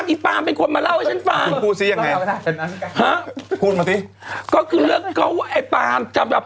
อีปามพูดสิยังไง